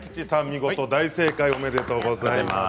見事大正解おめでとうございます。